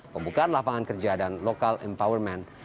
pembukaan lapangan kerja dan local empowerment